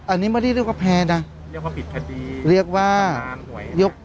อันนี้ไม่ได้เรียกว่าแพ้นะเรียกว่าผิดคดีเรียกว่ายก